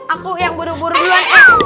aku yang bodoh bodoh duluan eh